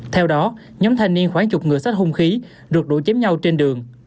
theo đó nhóm thanh niên khoảng chục người sát hung khí được đổ chém nhau trên đường